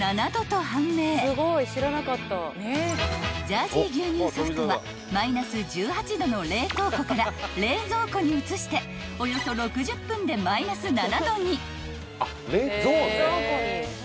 ［ジャージー牛乳ソフトはマイナス１８℃の冷凍庫から冷蔵庫に移しておよそ６０分でマイナス７℃に］